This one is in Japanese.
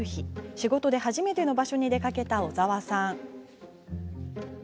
仕事で初めての場所に出かけた小澤さん。